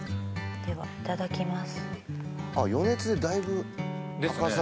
ではいただきます